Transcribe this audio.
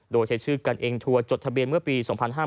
โดยใช้ชื่อกันเองทัวร์จดทะเบียนเมื่อปี๒๕๕๙